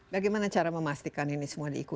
bagaimana cara memastikan ini semua diikuti